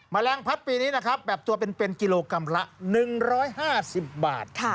แมลงพัดปีนี้นะครับปรับตัวเป็นกิโลกรัมละ๑๕๐บาท